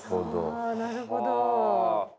あなるほど。